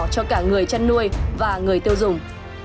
cho cả người chăn nuôi và người tiêu dùng